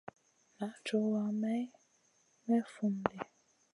Naʼ cowa, maï naʼ may fum ɗi.